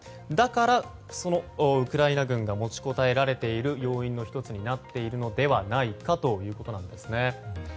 だから、ウクライナ軍が持ちこたえられている要因の１つになっているのではないかということです。